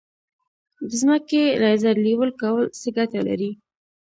د ځمکې لیزر لیول کول څه ګټه لري؟